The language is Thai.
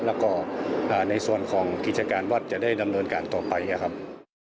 แล้วก็ในส่วนของกิจการวัดจะได้ดำเนินการต่อไปนะครับ